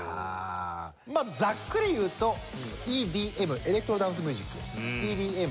まあざっくり言うとＥＤＭエレクトロ・ダンス・ミュージックＥＤＭ。